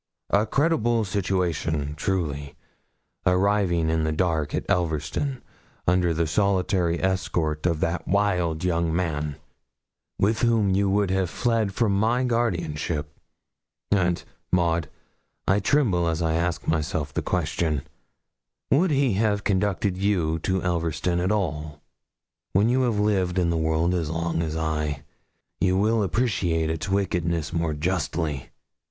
A creditable situation truly arriving in the dark at Elverston, under the solitary escort of that wild young man, with whom you would have fled from my guardianship; and, Maud, I tremble as I ask myself the question, would he have conducted you to Elverston at all? When you have lived as long in the world as I, you will appreciate its wickedness more justly.'